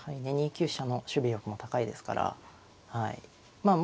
２九飛車の守備力も高いですからまあ